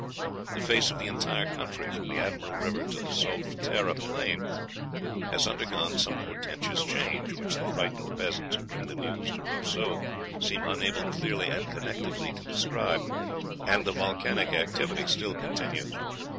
The face of the entire country, from the Admiral River to the Solfatera Plain, has undergone some portentous change, which the frightened peasants who bring the news to Roseau seem unable clearly and connectedly to describe, and the volcanic activity still continues."